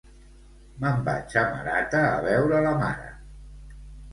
Me'n vaig a Marata a veure la mare